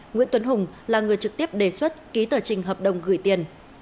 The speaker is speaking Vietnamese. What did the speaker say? nguyễn tuấn hùng là người trực tiếp đề xuất ký tờ trình hợp đồng gửi tiền